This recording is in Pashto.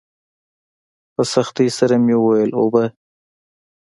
په سختۍ سره مې وويل اوبه.